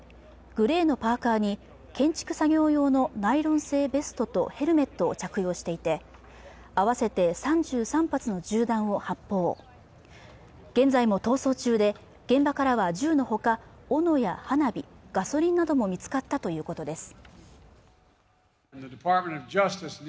グレーのパーカーに建築作業用のナイロン製ベストとヘルメットを着用していて合わせて３３発の銃弾を発砲現在も逃走中で現場からは銃のほかおのや花火ガソリンなども見つかったということです